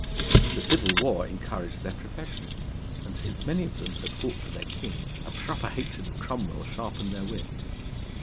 The Civil War encouraged their profession, and, since many of them had fought for their king, a proper hatred of Cromwell sharpened their wits.